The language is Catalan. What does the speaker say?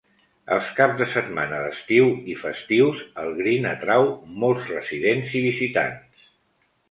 Els caps de setmana d'estiu i festius, el Green atrau molts residents i visitants.